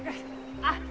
あっ！